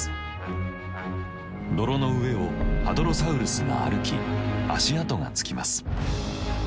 泥の上をハドロサウルスが歩き足跡がつきます。